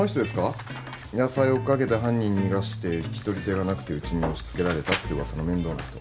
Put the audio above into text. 野菜追っ掛けて犯人逃がして引き取り手がなくてうちに押し付けられたって噂の面倒な人。